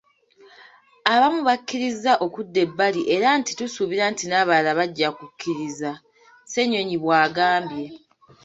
Abamu bakkiriza okudda ebbali era nti tusuubira nti n'abalala bajja kukkiriza,”Ssenyonyi bw'agambye.